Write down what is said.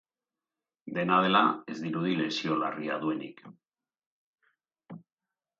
Dena dela, ez dirudi lesio larria duenik.